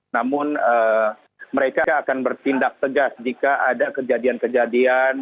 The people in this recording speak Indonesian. namun mereka akan bertindak tegas jika ada kejadian kejadian